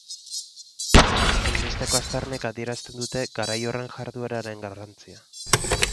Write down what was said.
Hainbesteko aztarnek adierazten dute garai horren jardueraren garrantzia.